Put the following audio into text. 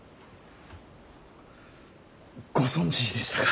ご存じでしたか。